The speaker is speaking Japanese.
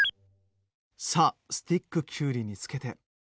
さあスティックきゅうりにつけて。